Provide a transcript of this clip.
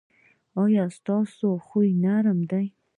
ایا ستاسو خوی نرم دی؟